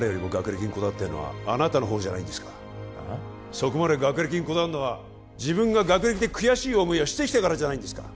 そこまで学歴にこだわるのは自分が学歴で悔しい思いをしてきたからじゃないんですか？